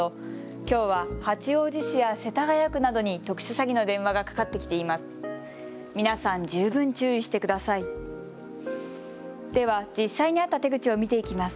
きょうは八王子市や世田谷区などに特殊詐欺の電話がかかってきています。